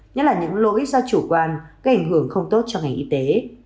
nhất là những lỗi do chủ quan gây ảnh hưởng không tốt cho ngành y tế